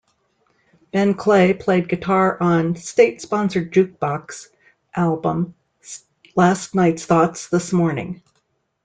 Ben Clay played guitar on 'State Sponsored Jukebox' album 'Last Nights Thoughts This Morning'.